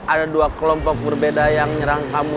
ada dua kelompok berbeda yang nyerang kamu